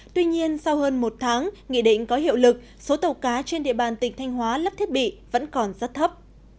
tuy nhiên sau hơn một tháng nghị định có hiệu lực số tàu cá trên địa bàn tỉnh thanh hóa lắp thiết bị vẫn còn rất thấp